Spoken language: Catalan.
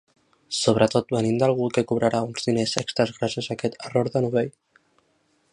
Sobretot venint d'algú que cobrarà uns diners extra gràcies a aquest error de novell.